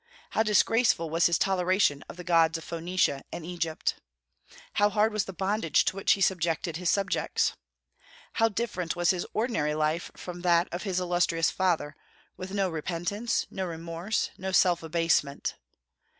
How disgraceful was his toleration of the gods of Phoenicia and Egypt! How hard was the bondage to which he subjected his subjects! How different was his ordinary life from that of his illustrious father, with no repentance, no remorse, no self abasement!